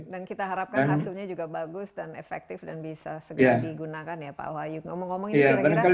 dan kita harapkan hasilnya juga bagus dan efektif dan bisa segera digunakan ya pak wahyu